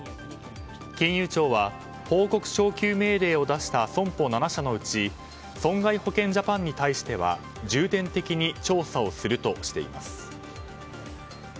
金融庁は報告徴求命令を出した損保７社のうち損害保険ジャパンに対しては重点的に調査をするとしています。